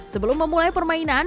sebelum memulai permainan